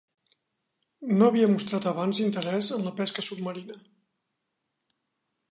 No havia mostrat abans interès en la pesca submarina.